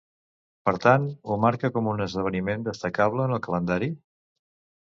Per tant, ho marca com un esdeveniment destacable en el calendari?